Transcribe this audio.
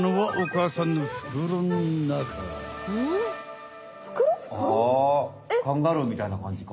あカンガルーみたいなかんじか。